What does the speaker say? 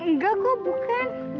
enggak kok bukan